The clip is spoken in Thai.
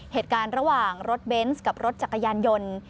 เหตุการณ์ระหว่างรถเบนส์กับรถจักรยานยนต์